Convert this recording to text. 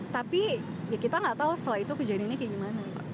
tapi ya kita nggak tahu setelah itu kejadiannya kayak gimana